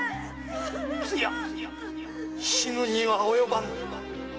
〔つや死ぬには及ばぬ〕